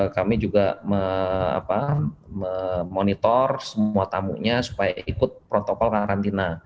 kami juga memonitor semua tamunya supaya ikut protokol karantina